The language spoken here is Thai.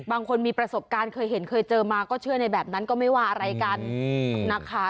บางคนมีประสบการณ์เคยเห็นเคยเจอมาก็เชื่อในแบบนั้นก็ไม่ว่าอะไรกันนะคะ